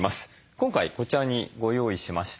今回こちらにご用意しました。